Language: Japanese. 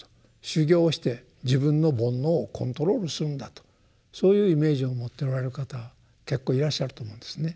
修行して自分の煩悩をコントロールするんだとそういうイメージを持っておられる方結構いらっしゃると思うんですね。